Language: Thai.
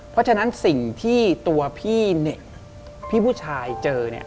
เพราะฉะนั้นสิ่งที่ตัวพี่พี่ผู้ชายเจอเนี่ย